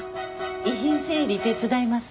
遺品整理手伝います。